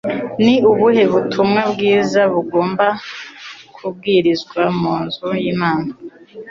ni ubuhe butumwa bwiza bugomba kubwirizwa munzu y'imana